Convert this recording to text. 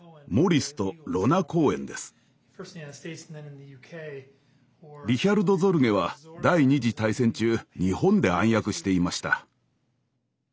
リヒャルト・ゾルゲは第二次大戦中日本で暗躍していました。